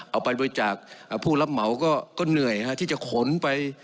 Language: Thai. เอาไปโดยจากผู้รับเหมาก็เหนื่อยนะครับที่จะขนไป